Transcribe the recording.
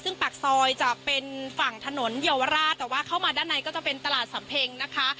ซึ่งปากซอยจะเป็นฝั่งถนนเยาวราชแต่ว่าเข้ามาด้านในก็จะเป็นตลาดสำเพ็งนะคะ